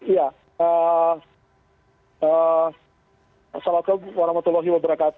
ya selamat malam